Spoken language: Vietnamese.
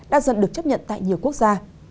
đã dần được chấp nhận tại nhiều quốc gia